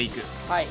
はい。